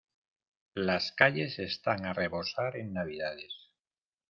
Las calles están a rebosar en navidades.